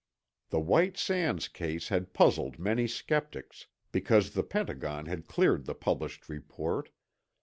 The White Sands case had puzzled many skeptics, because the Pentagon had cleared the published report.